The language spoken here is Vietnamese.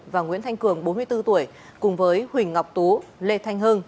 và nguyễn thanh cường bốn mươi bốn tuổi cùng với huỳnh ngọc tú lê thanh hưng